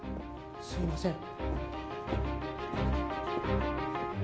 すいません。